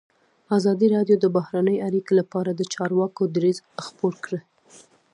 ازادي راډیو د بهرنۍ اړیکې لپاره د چارواکو دریځ خپور کړی.